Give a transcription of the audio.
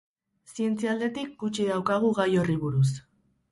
Zientzia aldetik gutxi daukagu gai horri buruz.